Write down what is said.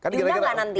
diundang gak nanti